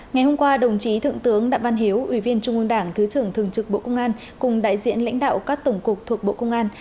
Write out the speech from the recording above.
ngày hôm qua đồng chí thượng tướng đạm văn hiếu ủy viên trung ương đảng thứ trưởng thường trực bộ công an cùng đại diện lãnh đạo các tổng cục thuộc bộ công an